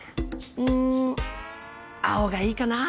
「うん青がいいかなぁ？」。